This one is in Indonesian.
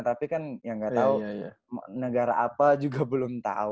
tapi kan ya gak tau negara apa juga belum tau